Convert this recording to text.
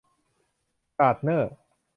การ์ดเนอร์